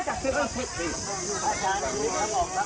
ครับคุณผู้ชมรักกรรมโมอายุห้าสิบเก้าปี